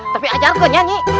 tapi ajarkan nyai